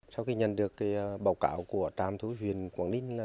sau khi nhận được báo cáo của trạm thú y huyện quảng ninh